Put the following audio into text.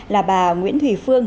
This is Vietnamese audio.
là bà nguyễn thùy phương